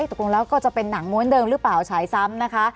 ตกลงแล้วก็จะเป็นหนังม้วนเดิมหรือเปล่าฉายซ้ำนะคะ